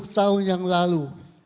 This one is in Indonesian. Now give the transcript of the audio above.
lima puluh tahun yang lalu